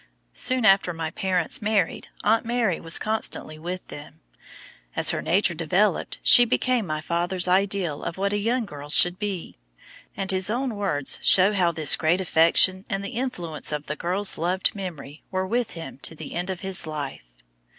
Soon after my parents married, Aunt Mary was constantly with them. As her nature developed she became my father's ideal of what a young girl should be. And his own words show how this great affection and the influence of the girl's loved memory were with him to the end of his life.